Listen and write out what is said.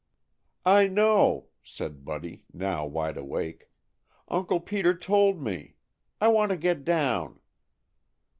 "I know," said Buddy, now wide awake. "Uncle Peter told me. I want to get down."